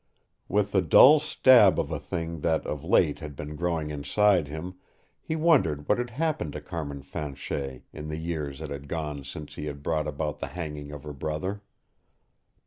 With the dull stab of a thing that of late had been growing inside him, he wondered what had happened to Carmin Fanchet in the years that had gone since he had brought about the hanging of her brother.